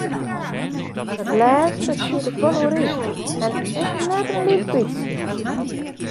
Dat lêste siet ik wol oer yn en ek net in lyts bytsje.